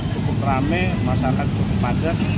cukup rame masyarakat cukup padat